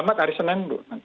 lampat hari senin bu